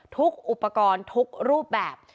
อุปกรณ์ทุกรูปแบบ